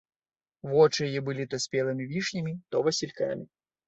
Вочы яе былі то спелымі вішнямі, то васількамі.